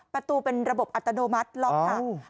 ประตูเป็นระบบอัตโนมัติล็อกค่ะ